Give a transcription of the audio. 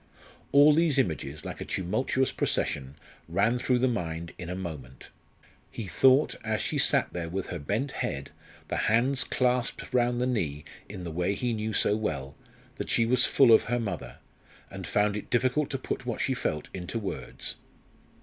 All these images, like a tumultuous procession, ran through the mind in a moment. He thought, as she sat there with her bent head, the hands clasped round the knee in the way he knew so well, that she was full of her mother, and found it difficult to put what she felt into words.